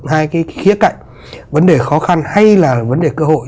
hai cái khía cạnh vấn đề khó khăn hay là vấn đề cơ hội